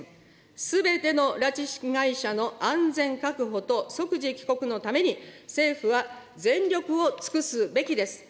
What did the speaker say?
すべての拉致被害者の安全確保と即時帰国のために政府は全力を尽くすべきです。